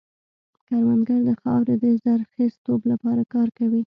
کروندګر د خاورې د زرخېزتوب لپاره کار کوي